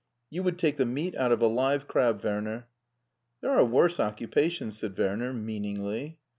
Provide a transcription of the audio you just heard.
You would take the meat out of a live crab, Werner." "There are worse occupations," said Werner, meaningly.